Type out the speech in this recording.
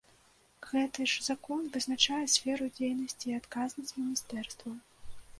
Гэты ж закон вызначае сферу дзейнасці і адказнасць міністэрстваў.